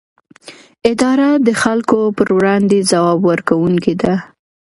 اداره د خلکو پر وړاندې ځواب ورکوونکې ده.